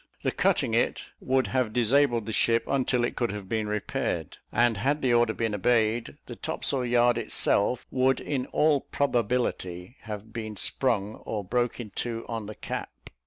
The cutting it would have disabled the ship until it could have been repaired; and had the order been obeyed, the topsail yard itself, would, in all probability, have been sprung or broke in two on the cap.